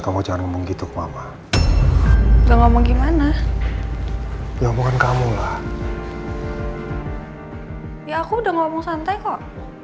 kamu jangan ngomong gitu ke bapak udah ngomong gimana ya bukan kamu lah ya aku udah ngomong santai kok